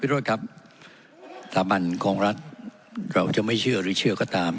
โทษครับสถาบันของรัฐเราจะไม่เชื่อหรือเชื่อก็ตาม